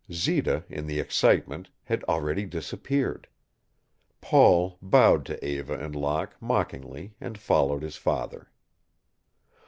Zita, in the excitement, had already disappeared. Paul bowed to Eva and Locke mockingly and followed his father.